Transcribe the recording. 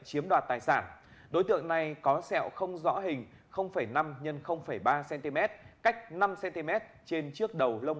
chiếm đoạt tài sản đối tượng này có sẹo không rõ hình năm x ba cm cách năm cm trên trước đầu lông